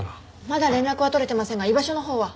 まだ連絡は取れてませんが居場所のほうは。